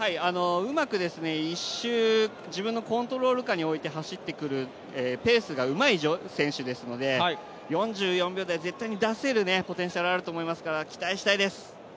うまく１周、自分のコントロール下に置いて走ってくるペースがうまい選手ですので、４４秒台、絶対に出せるポテンシャルはあると思いますから、期待したいです。